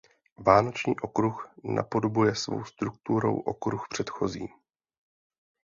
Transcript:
Vánoční okruh napodobuje svou strukturou okruh předchozí.